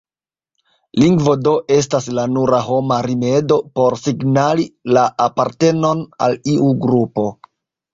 Lingvo do estas la nura homa rimedo por signali la apartenon al iu grupo.